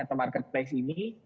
atau marketplace ini